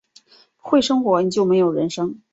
不会生活，你就没有人生